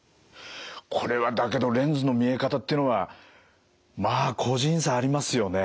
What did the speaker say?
これはだけどレンズの見え方っていうのはまあ個人差ありますよね。